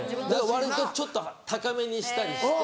割とちょっと高めにしたりして。